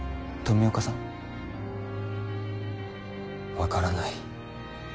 分からない。